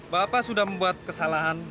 bapak sudah membuat kesalahan